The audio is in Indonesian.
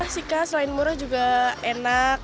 sikah selain murah juga enak